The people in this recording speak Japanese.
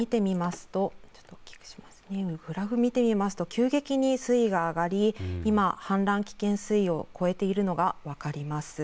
グラフを見てみますと、急激に水位が上がり今、氾濫危険水位を超えているのが分かります。